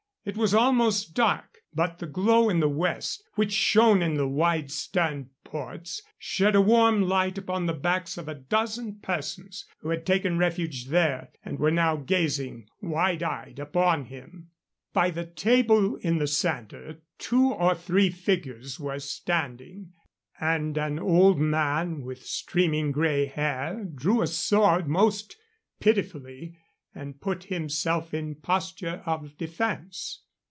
It was almost dark, but the glow in the west which shone in the wide stern ports shed a warm light upon the backs of a dozen persons who had taken refuge there, and were now gazing wide eyed upon him. By the table in the center two or three figures were standing, and an old man with streaming gray hair drew a sword most pitifully and put himself in posture of defense.